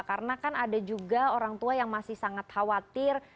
karena kan ada juga orang tua yang masih sangat khawatir